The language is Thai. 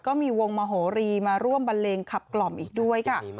ก็มีวงมโหรีมาร่วมบันเลงขับกล่อมอีกด้วยค่ะ